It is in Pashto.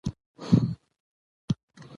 مصدر د ژبي اساسي برخه ده.